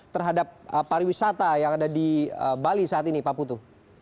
terhadap pariwisata yang ada di bali saat ini pak putu